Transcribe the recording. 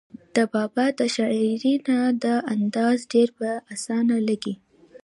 د بابا د شاعرۍ نه دا اندازه ډېره پۀ اسانه لګي